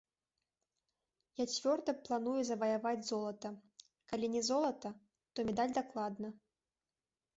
Я цвёрда планую заваяваць золата, калі не золата, то медаль дакладна.